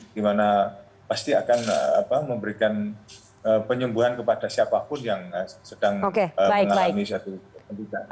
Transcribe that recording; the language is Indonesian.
di mana pasti akan memberikan penyembuhan kepada siapapun yang sedang mengalami asurasi